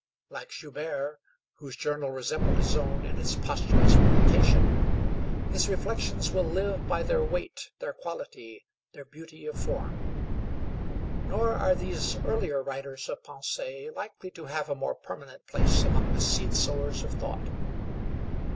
Like Joubert, whose journal resembled his own in its posthumous publication, his reflections will live by their weight, their quality, their beauty of form. Nor are these earlier writers of "Pensées" likely to have a more permanent place among the seed sowers of thought.